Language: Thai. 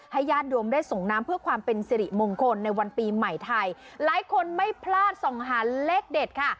ญาติโยมได้ส่งน้ำเพื่อความเป็นสิริมงคลในวันปีใหม่ไทยหลายคนไม่พลาดส่องหาเลขเด็ดค่ะ